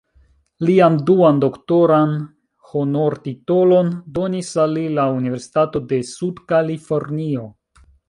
Lian duan doktoran honortitolon donis al li la Universitato de Sud-Kalifornio.